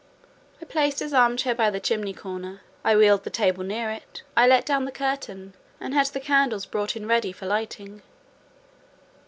I placed his arm chair by the chimney corner: I wheeled the table near it: I let down the curtain, and had the candles brought in ready for lighting.